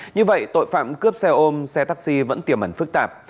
như vậy tội phạm cướp xe ôm xe taxi vẫn tiềm ẩn phức tạp